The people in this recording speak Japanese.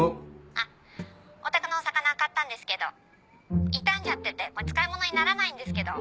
あっおたくの魚買ったんですけど傷んじゃってて使い物にならないんですけど。